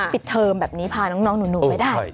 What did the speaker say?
ปิดเทิมแบบนี้พาน้องหนูไปได้